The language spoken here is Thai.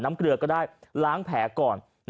เกลือก็ได้ล้างแผลก่อน